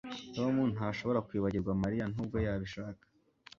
Tom ntashobora kwibagirwa Mariya nubwo yabishaka